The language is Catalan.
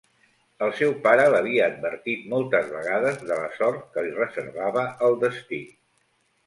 El seu pare l'havia advertit moltes vegades de la sort que li reservava el destí.